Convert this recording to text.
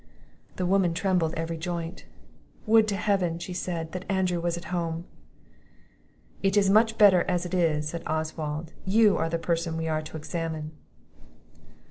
The woman trembled every joint. "Would to Heaven!" said she, "that Andrew was at home!" "It is much better as it is," said Oswald; "you are the person we are to examine."